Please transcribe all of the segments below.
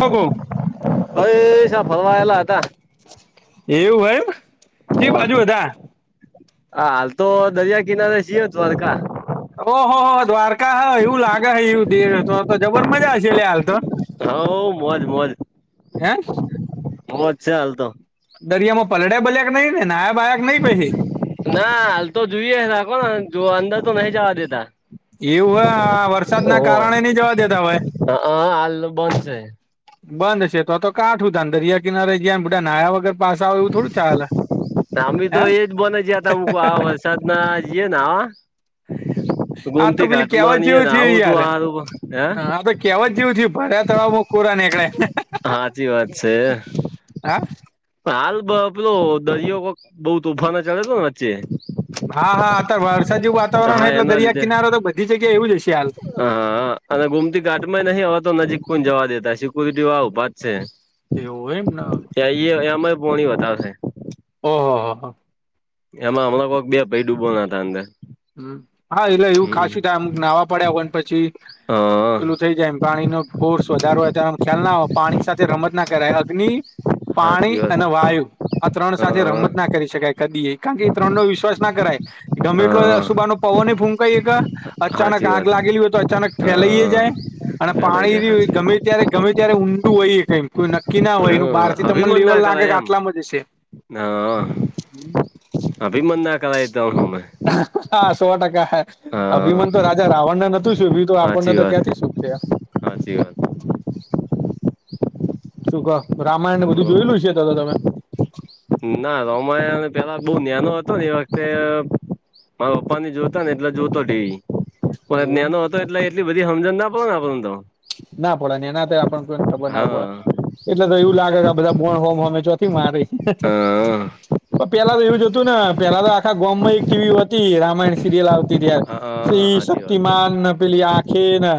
એવું અય શા ફરવાયેલા હતા. એવું ભાઈ, જે બાજુ બધા. હા, હાલ તો દરિયા કિનારે શીય તો વારકા. ઓહ હો, દ્વારકા. હા, એવું લાગે હ. એવું દે હતો તો જબર મજા છે હાલ તો. હ, મોજ મોજ. હે, મોજ છે હાલ તો દરિયામાં પલળ્યા બલ્યાક નહીં ને ના? બાાયક નહીં પે હ. ના, હાલ તો જોઈએ રાખો ને. જો અંદર તો નહીં જવા દેતા. એવું હ, વરસાદ ઓ ના કારણે નઈ જવા દેતા હોઈ. હ, હ, હાલ નો બંધ છે. બંધ છે તો, તો કાંઠું તો દરિયા કિનારે જયાને બધા નાહયા વગર. પાસ આવે એવું થોડું ચાલે હે. સાદના જ ના. આ તો ગોમતી પેલી ઘાટમાં કહેવત જેવું ને આવું તું આરું હે. કહેવા જ જેવું છે, ભર્યા તળાવમાં કોરા નીકળેને. સાાચી વાત છે. હા હાલ પેલો દરિયો બઉુ તુફાન ચડે તો ને વચ્ચે. હા, હા. આ વરસાદી વાતાવરણ હા હ એટલે એના દરિયા કિનારો તો બધી જગ્યા એવું જશે હાલ. હ, હા. અને ગુમતી ઘાટમાં નહીં હવા તો નજીક કો જવા દેતા શકુવા ભાત છે. ટેવ એમ અ પોણી બતાવશે. ઓહ, હ હા. એમાં હમણાં કોઈક બે ભાઈ ડૂબો ના હતા અંદર. હમ હા એટલે એવું હમ ખશું થાય અમુક નાવા પડ્યા હોયને પછી હા પેલું. થઈ જાય એમ પાણીનો ફોર્સ વધાર ત ખ્યાલ ના હો પાણી સાથે રમત ના કરાય અગ્નિ હાચી પાણી વાત અને વાયુ. આ ત્રણ સાથે હા રમત ના કરી શકાય કદી કારણ કે ત્રણ નો વિશ્વાસ ના કરાય ગમે એટલો હા સુબા નો પવન ફૂંકાઈએ અચાનક હાચી આગ વાત લાગેલી હોય તો અચાનક ફેલાઈ હા જાય. અને ફેલાઈ જાય પાણી હાચી વાત ગમે ત્યારે ગમે ત્યારે ઊંડું હોયએ કમ. કોઈ નક્કી ના હોય એનું બહાર હા થી તમને અભિમન લેવલ ના લાગે કે કરાય એમ આટલા મ છે. અભી મંદા કરતા ઘમે. હા સોટકા. હા અભિમન તો રાજા રાવણને નોતું શુભી આપણને હાચી તો વાત ક્યાંથી શ સુખ છે. હાચી વાત શું ક રામાયણને બધું બોલો બોલો જોયેલું છે તો તો તમે. ના રોમા પેલા બહુ નાનો હતો ને એ વખતે. મારે પપ્પાને ની જોતો ને એટલે જોતો ટીવી. પણ એવું જ્ઞનો હતો એટલે એટલી બધી સમજણ ના પડે ને આપને તો ના પડે ને એના તો આપણ કોઈને ખબર ના પડે. હા એટલે તો એવું લાગે કે આ બધા બોણ હોમ હમે ચોથી મારી. હા પેલા તો એવું જતું ને પેલા તો. આા ગોમ્બઈ એક ટીવી હતી રામાયણ સિરિયલ આવતી તાર સ હા હાચી વાત શક્તિમાન ન પેલી આંખે નને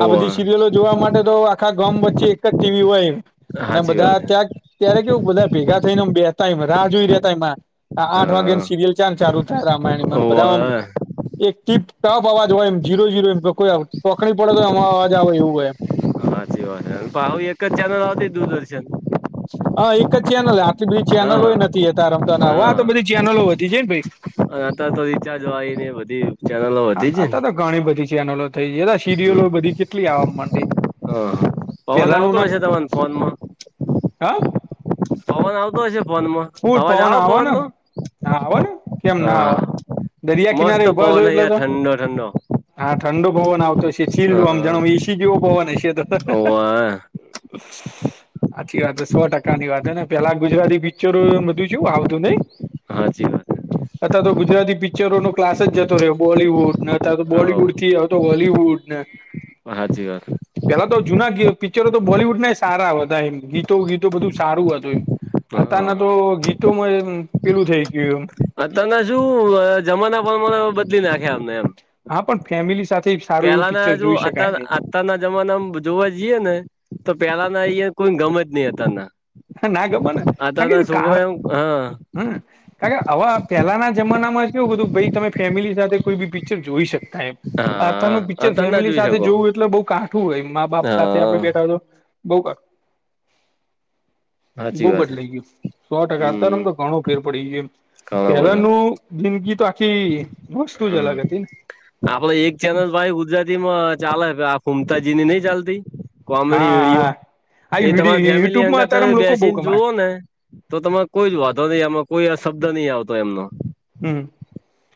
આ બધી. સિરિયલો જોવા માટે તો આખા ગામ વચ્ચે એક જ ટીવી હોય એ અને હાચી બધા વાત હે ત્યાંક. ત્યારે કેવું બધા ભેગા થઈ નેમ બેતા રાહ જોઈ રતા માં આઠ વાગ્યાની હા સિરિયલ ચાલ ચારુ રામાયણ મ બધા હોવે ઓ એક ટીપ ટફ અવાજ હોય એમ જીરો જઝીરો એમઈ ટકણી પડે તો આમાં અવાજ આવે એવું હોયમ. ભ હું એક જ ચેનલ આવતી દૂરદર્શન. હા એક જ ચેનલ આટલી બધી હા ચેનલોય નથી ત રમતા ના આ તો હા બધી ચેનલો હતી જ ને ભાઈ અને આત તો રીચાર્જ વાીને બધી ચેનલો વધી આ જ ને તો ઘણી બધી છે એનો થઈ જ સીરિયલો બધી કેટલી આવવા માંડી. હ પવન આવતો પેલાનું ના હોય છે તને પવનમાં. હા પવન આવતો હશે ફોન માં. ફૂર પવન આવવાના. હ આવો ને કેમ ના આવેો હા દરિયા મસ્ત કિનારે ઉભા છો પવન હે એટલે યાર તો. ઠંડો ઠંડો હા ઠંડો પવન આવતો હશે ચીલડું આમ હા જાણાવ એસી જેવો પવન હશે તો. હોવે સાચી વાત સો ટકાની વાત હ ને પેલા ગુજરાતી. મધુંું આવતું નહી. [unintelligible] [unintelligible] અ તો ગુજરાતી પિક્ચરો નો ક્લાસ જતો રહ્યો બોલીવુડ ને અ તો બોલીવુડ થી આવતો હોલીવુડ ને. હાચી વાત. હેલા તો જૂના પિક્ચરો તો બોવૂડ ના સારા હતા એમ ગીતો ગીતો બધું સારું હતું એમ. અતારના હા તો ગીતોમાં પેલું થઈ ગયું એમ. અ તને શું જમાના પરમાના બદલી નાખ્યા અમને એમ. હા પણ ફેમિલી સાથે સારું એવું પિક્ચર જોઈ શકાય નહી. તાના જમાનામાં જોવા જઈએ ને તો પહેલા ના અહં કોઈ ગમે જ નહી હતાના. ના ગમે આ તો સુગ વાઈ હ હમ્મ કાર કે આવા પહેલાના જમાનામાં કેવું હતું તમે ફેમિલી સાથે કોઈ બી પિક્ચર જોઈ શકતા એમ આથા હા નનું પિક્ચર અતાર ના ફેમિલી જોઈ સાથે શકો જોવું એટલે બઉ કાઠું હોય મા બાપ સાથે આપડે હા બેઠા હોય તો બઉ કાું સાચી બહુ વાત હે. બદલાઈ ગયું સો ટકા હમ અતારમ તો ઘણું ફેર પડી ગય એમ ઘણો બધો પેલાનું જિંદગી તો આખી વસ્તુ જ હમ્મ અલગ હતી ને આપડે એક ચેનલ ભાઈ ગુજરાત ઈમ ચાલે આ ફુમતાજીની નઈ ચાલતી હા કોમેડી હા વિડીયો હા. આ એ તમારી ફેમિલી યુટ્યુબમાં હંગાત અત્યારેમ તમે લોકો બહુ બેસીને કમાય જુવઓ ને તો તમારે કોઈ જ વાંધો નહી એમાં કોઈ અ શબ્દ નહી આવતો એમનો. હમ્મ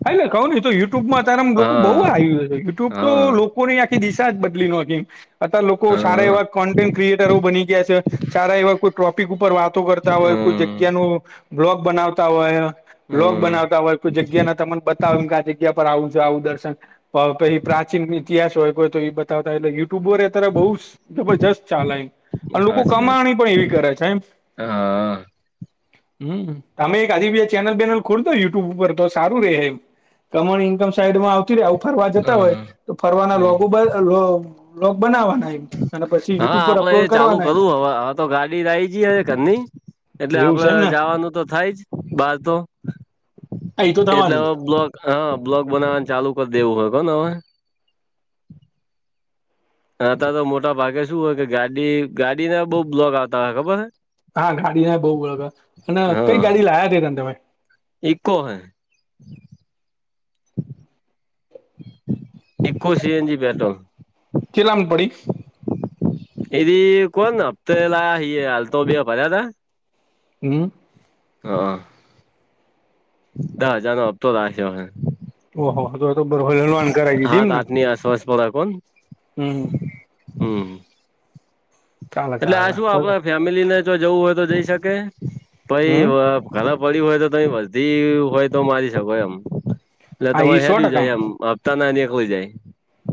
હાને કવ ને ઇતો યુટ્યુબમાં અત્યારે આમ લોકો બઉ ઉ હા આવ્યું યુટ્યુબ તો હા લોકોની આખી દિશા જ બદલી નોખી અ લોકો સારા હા એવા કોન્ટેન્ટ ક્રિએટરો બની ગ્યા છે સારા એવા કોઈ ટો પિક ઉપર વાતો કરતા હોય કોઈ હમ જગ્યા નું બ્લોગ બનાવતા હોય બ્લોગ બના હમ તા હોય કોઈ જગ્યા ના તમન બતાવ ઈમ કે આ જગ્યા પર આવું જો આવું દર્શન પ પહિ પ્રાચીન ઇતિહાસ હોય કોઈ તો ઈ બતાવતા એટલે યુટ્યુબોરે અતારે બઉજ જબરજસ્ત ચાલેય ઈમ અને લોકો કમાણી પણ એવી કરે છે એમ હ અ હમ્મ તમે એક ખાધી બે આજ બે ચેનલ બેનલ ખોલ દો યુ ટુબ પર તો સારું રેહે તમારી ઈનકમ સાઇડ માં આવ આવું ફરવા જતા હોય હા તો ફરવાના હમ લોગો લોગ બ્લોગ બનાવવાના ઈમ હા આપડે એ ચાલુ કરું હવ હવ તો ગાડી લાય જી હ ઘરની એટલે એવું છે આપડે એમ ને જાવાનું તો થાય જ બાર તો હા એ તો એટલે થવાનું જ હવે બ્લોગ હ બ્લોગ બનાવાનું ચાલુ કર દેવું હોન હવે હ અતાર તો મોટા ભાગે શું હોય કે ગાડી ગાડીને બઉ બ્લોગ આવતા હોય ખબર હે હા ગાડી ના બહુ બ્લોગ અને કઈ ગાડી લાયા તે તન તમે ઇક્કો હે. Eeco C. N. G. Petrol ચેટલામ પડી એરી કોન હપ્તે લાયા હિ એ હાલતો બે ભર્યા તા. હમ્મ. હ અ દ હજારનો હપતો રાખ્યો હે. ઓહો તો તો બહ લોન કરાઈ દીધી હાત ઈમન આઠ ની આસપાસ હમ્મ હમ્મ હમ્મ ચાલે એટલે આ ચાલે શું આપડા ફેમિલીને જો જવું હોય તો જઈ શકે પઈ હમ અ ઘરે પડી હોય તો તમે વર્ધી હોય તો મારી શકો એમ. એટલે હા એ તમારે સો હેડિયુ ટકા જાય એમ હપ્તા ના નેકલી જાય.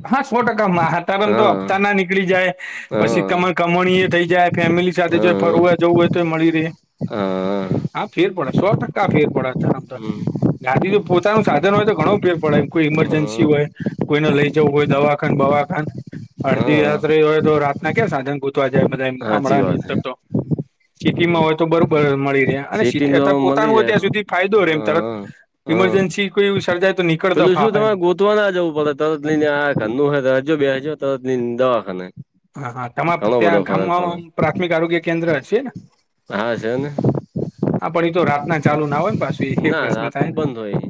હા સો ટકા માહા તાર ઓમતો હપ્તા હા ના નીકળી જાય પછી હા કમ કમોણી એ થઈ જાય ફેમિલી સાથે ચોય ફરવા જવું હોય તો એ મળી રે હ અ હા ફેર પડે સો ટકા ફેર પડે. હમ ગાદી જો પોતાનું સાધન હોય તો ઘણો ફેર પડે કોઈ ઇમરજન્સી હા હોય કોઈને લઈ જઉ હોય દવાખાન બવાખાંન અડધી હા રાત્રે હોય તો રાતના ક્યા સાધન ગો તો જાય બધા એમ હાચી ગામડાની વાત અંદર હે તો સીટી હમ માં હોય તો બરોબર મળી અને સિટી અતાર સિટીમાં પોતાનું મળી હોય ત્યાં જાય સુધી ફાયદો રે એમ તરત હ હ ઈમરજન્સી કોઈ સર્જાય તો નીક પેલું શું તમે ગો તો ના જવું પડે તરતલઈને આ ઘરનું હ રેજો બેજો તરત લિન દવાખાને હા હા તમા ઘણો બધો ત્યાં ફરક પડે ગામમાંમ પ્રાથમિક આરોગ્ય કેન્દ્ર હશે ને? હા, છે ને. આ પડી તો રાત ના ચાલુ ના હો ને પાછ એ ના પ્રશ્ન થાય રાતનું બંધ હોય.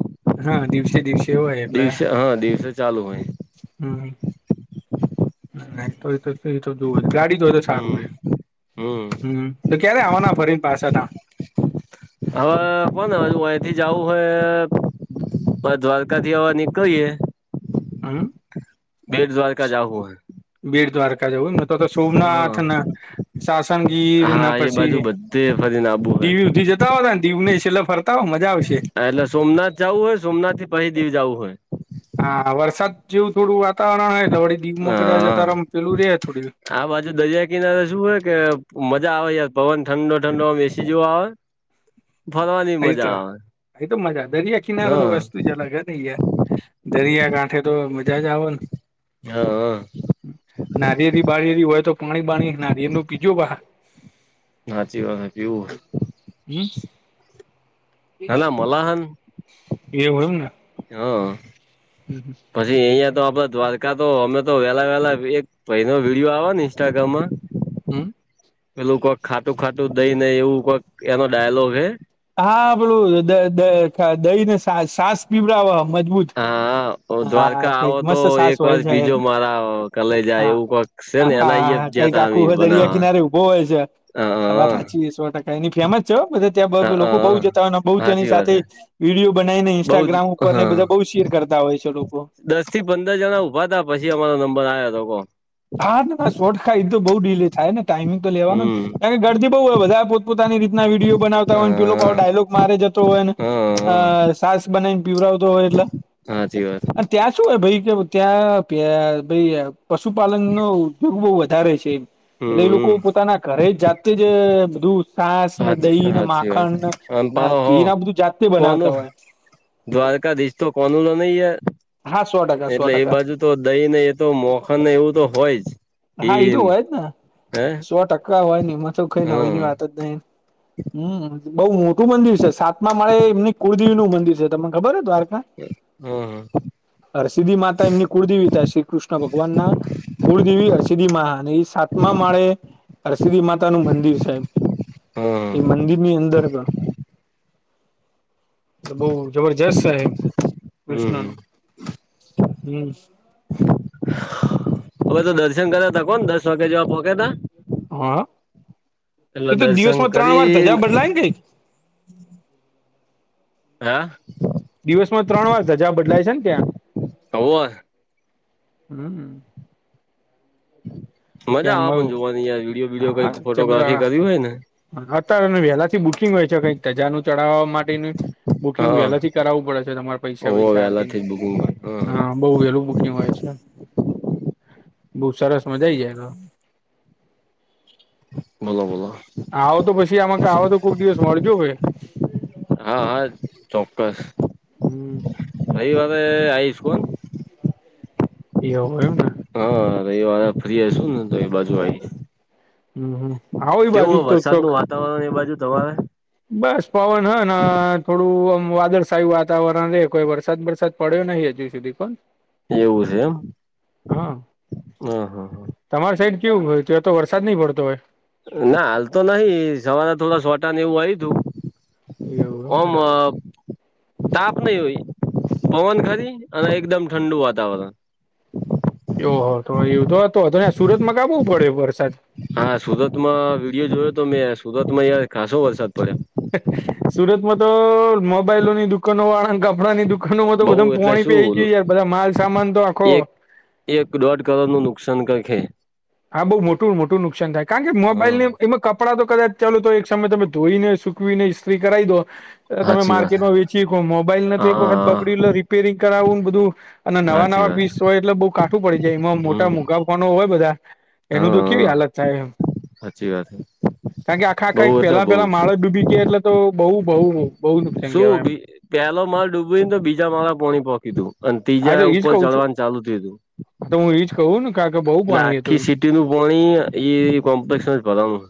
હા દિવસે દિવસે હોય એટલે દિવસે હા દિવસે ચાલુ હોય હમ્મ નહી તો ઈતો એ તો જોએજ ગાડીજ હોય તો સારું હમ રહેે હમ હમ્મ તો ક્યારે આવવાના ફરીને પાછા તાણ હવે કોને હવ ઓહીથી જાવું હે [unintelligible] દ્વારકા થી હવ નીકળીએ હમ્મ બેર દ્વારકા જા હું હે. બેડ દ્વારકા જવું ને તો તો સોમનાથ ને હા શાસન ગીર ને પછી ફરી ને આબુ હૈ. દીવ હુંધી જતા હોને દીવ ને છેલ્લે ફરતા હોય મજા આવશે. હા એટલે સોમનાથ જવું હોય સોમનાથ થી પહિ દીવ જાવું હોય. હા વરસાદ જેવું થોડું વાતાવરણ હોય એટલે વળી દીઘ મક જ હા. ત્યારેમ પેલું ર રહે થોડી આ બાજુ દરિયા કિનારે શું હોય કે મજા આવે યાર પવન ઠંડો ઠંડો એસી જેવો આવે. ફરવાની એ તો મજા એ તો મજા દરિયા કિનારો તો આવે હા વસ્તુ જ અલગ હ ને યાર. દરિયા કાંઠે તો મજા જ આવ ને. હા. હ નારિયેર બાળયે હોય તો પાણી બાણી નારિે નું પીજું બ સાચી વા કેવું હોય. હમ હલા મલાહન એ હોયમને. હા, પછી અહં તો આપડ દ્વારકા તો અમે તો વેહલા વેહલા એક ભય ન વિડીિયો આવ ને ઇન્સ્ટાગ્રામમાં.. હમ. પેલું કોઈક ખાતું ખાતું દઈ ને એવું કોઈક એનો ડાયલોગ હે. હા આપણું દહીને સાસ પીવડાવ મજબૂત. હા હા દ્વારકા આવો કઈક તો મસ્ત સાસ એક વાર હોય છે બીજો એની મારા કલાઈ જાય હા એવું કક હા હાા કંઈક આખું હ દરિયા કિનારે ઊભો હોય છે. આ વા બનાવા સાચી સો ટકા એની ફેમસ છે બધ હ ત્યાં હ લોકો બહુ જતા હોય અને બહુ ત્યાંની સાચી વાત સાથે હ વિડીયો બનાવી ને બઉ જ ઇન્સ્ટાગ્રામ ઉપર ને હા બધા બહુ શેર કરતા હોય છે લોકો. દસ થી પંદર જણા ઉભા હતા પછી અમારો નંબર આવ્યા તો કો. હા ના ના શોટ ખાઈ તો બઉ ડીલે થાય ને ટાઈમિંગ તો લેવાનો. હમ કાર કે ઘરદી બહઉ હોય બધા પોતપ પોતાની રીતના વિડીયો બનાવતા હોય ને લોકો હા ડાયલોગ મારે જતો હોય ને. હા અ હા સાસ બનાવીને પીવરાાવતો હોય એટલે? સાચી વાત ત્યાં શું હોય ભાઈ કે ત્યાં ભાઈ પશુપાલન નો ઉપગ બહુ વધારે છેમ એટલે લોકો હમ પોતાના ઘરે જ જાતે જ બધું સાસ ને સાચી દહી ને સાચી વાત માખણ, ને આમ પા હો ઘી ના બધું જાતે બનાવતા કોનું હોય. દ્વારકાધીશ તો કોનોલો ન હ. હા શો ટકા. સો એટલે એ ટકા બાજુ તો દહી ને એ તો મોખન ને એવું તો હોય જ. હા એ તો કીન હોય જ ને, હે સો ટકા હોય ને એમાં તો કઈ નવી હા ની વાત જ નઈ. હમ બઉુ મોટું મંદિર છે સાતમામાં મળે એમની કુળદેવી નું મંદિર છે તમને ખબર હ દ્વારકા હ? હા અરસિદી માતા એમની કુળદેવીતા શ્રી કૃષ્ણ ભગવાનના, કુળદેવી અ અરસિદ્મા અને એ સાતમા માળે અરસિદ્ધિ માતા નું મંદિર છે, હા એ હીની અંદર એ બહ જબરજસ્ત છેહે કૃષ્ણ હમ ન હમ. હવે તો દર્શન કર્યા ત કોણ દસ વાગ્યા જવા પોક્યાત. હા એટલે દર્શન કરી થંકય [unintelligible] હા. દિવસમાં ત્ર વાર ધજા બદલાય છે ને ત્યાં? હ. [unintelligible] હમ. મજા ત્યાં આવે પણ મળું જોવાનીયાર વિડીયો વિડીયો કઈક હા ફોટોગ્રાફી બધા કર હોય ને. અત્યારે વહેલા થી બુકિંગ હોય છે કઈક ધજાનું ચડાવવા માટેનું. બુકિંગ હા વહેલાથી કરાવવું પડે છે તમારે પૈસા હોવ વૈસા વહેલા આપીને થી જ બુકિંગ હા. બઉ વેલું બુકિંગ હોય છે બહ સરસ મજા આવી જાય તો. બોલો બોલો. આવો તો પછી આમાં આવો તો કોઈક દિવસ મળજો ભાઈ. હા હા ચોક્કસ. હમ. રાઈવરે આવીશ હો ન. એવું એમ ને. હા રવિવારે ફ્રી હશું ને તો એ બાજુ. આવીશ હમ હમ. આવો એ કેવું હો બાજુ તો વરસાદ ચોક નું વાતાવરણ એ બાજુ તમારે. બસ પવન હ ને થોડું આમ વાદળછાયું વાતાવરણ રે કોઈ વરસાદ વરસાદ. પડ્યો નહી હજુ સુધી પણ. એવું છે એમ હા હ. તમારી સાઈડ કેવું હોય ત તો વરસાદ નહીં પડતો હોય. ના હાલ તો નહી સવારે થોડા સોટા ને એવું આવય તું. એવું એમ ઓમ. ને તાપ નહી હોય પવન ખરી અને એકદમ ઠંડુ વાતાવરણ. ઓહો તો એવું તો હતો હતો ત્યાં સુરતમાં કાબવું પડે વરસાદ. હા સુરતમાં વિડીયો જોયો તો મેં સુરતમાં યાર ખાસો વરસાદ પડ્યો. સુરતમાં તો મોબાઈલોની દુકાનો વાળા કપડા ની દુકા આું તો બઉ બધ એટલે પોણી પે એઈ શું ગયું યાર બધા માલ સામાન તો આખો એક એક દોઢ કરોડ નું નુકસાન કરખે હા બહુ મોટું મોટું નુકસાન થાય કારણ કે મોબાઈલ હા ને એમાં કપડાં તો કદાચ ચાલુ તો એક સમય તમે ધોઈને સુકવીને ઇત્રી કરાવી દો. તમે સાચી વાત માર્કેટમાં વેચી શકો મોબાઈલ નથી હા એક વખત હા બગડ રિપેરિંગ કરાવુંને બધું અને નવા સાચી નવા વાત પીસ હોય એટલે બઉુ કાઠું પડી જાય એમાં હમ મોટા મોગાફવાનો હોય બધા એનું તો કેવી હા હાલત થાય એમ સાચી વાત કારણ કે આખા બઉ આખા એટલે પેલા બઉ પેલા જ માણસ ડૂબી ગયા એટલે તો બઉુ બઉુ. સૂબી. પેલો માલ ડૂબીને તો બીજા માળ પોણી પોખી તું અને હા તો ત્રીજા એજ ઉપર કઉ છું ચડવાનું ચાલુ થય તું. તો હું એજ કહું ને કારણ કે બહુ પાણી હત કે સિટી ન પાણી એ કોમ્પલકસ માં ભરાનું.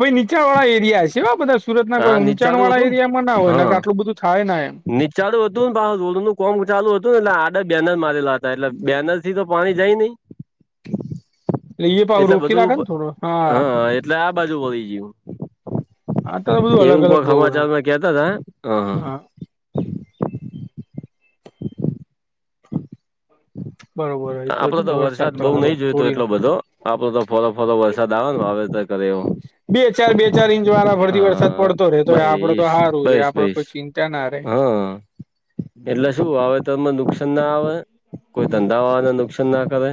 ભાઈ નીચા વાળા એરિયા હસે આ બધાં સુરત કોઈ હા ઊંચણ નીચાડું વાળા હતું એરિયામાં ના હોયને કે આટલું બધું થાય એમ. ચાલુ હતું ને ભો નું કોમ ચાલુ હતું ને એટલે આડ બેનર મારેલા હતા એટલે બેનર થી તો પાણી જાય નહિ. એ [inaudible] પાહુ એટલે રોકી બધું રાખે ને થોડો હા એટલે આ બાજુ વહી જ્યું. આ તો બધું અલગ એવું અલગ પગ બહુ હે હમાચારમાં કેતા હતા હ. હા. બરોબર એ આપડો છે ને તો વરસાદ બઉ હારો નહી જોયતો થોડીનો એટલો બધો આપડો તો ફોરોફરો વરસાદ આવે ન હવે કરે એવો. બે ચાર બે ચાર ઇંચ વાળા ફરથી વરસાદ હા પડતો રે તો આપડો તો બઈશ સારું રે બઈશ આપડ બઈશ કોઈ ચિંતા ત્યા ના ર હા એટલે શું આવે તોને નુકસાન ના આવે કોઈ હમ ધંધા વાને નુકસાન ના કરે.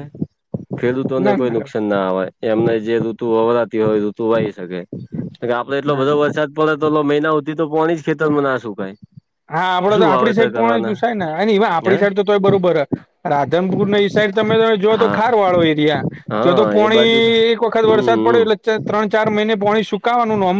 ખેડૂતોને કોઈ નુકસાન ના આવેય એમને જે ઋતુ વવરાતી હોય એ ઋતુ વાહી શકે. આપડે એટલો ના બધો વરસાદ પડે તો મહિના હુંધી તો પાણી જ ખેતરમાં ના સુકાય. હા આપડે તો શું આપડી વાવેતર સાઈડ પણ કરવાના તુંસાય ને હે આપણી સાઈડ તો તોય બરોબર હ રાધનપુર ને ઈ સાઈડ તમે તમે જો તો હા ખારો વાળો એરિયા. જો તો હા એ પોણી બાજુ એક વખત વરસાદ હમ્મ પડ્યો એટલે ત્રણ ચાર મહિને પોણી સુકાવાનું ન અમ